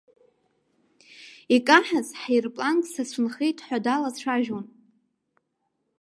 Икаҳаз ҳирпланк сацәынхеит ҳәа далацәажәон.